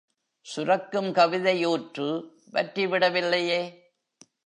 சுரக்கும் கவிதை ஊற்று வற்றி விட வில்லையே.